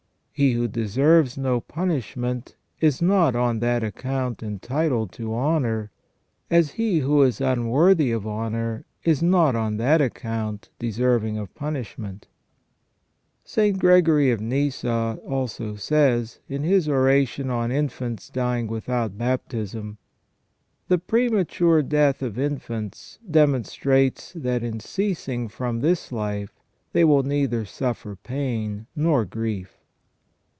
He who deserves no punishment is not on that * S. Thoma, De Malo, q. 5, a. i. t Ibid., q. 5, a. 2. 230 ON PENAL EVIL OR PUNISHMENT. account entitled to honour \ as he who is unworthy of honour is not on that account deserving of punishment." St. Gregory of Nyssa also says, in his Oration on Infants dying without baptism :" The premature death of infants demonstrates that in ceasing from this life they will neither suffer pain nor grief".